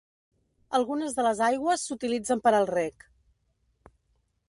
Algunes de les aigües s'utilitzen per al reg.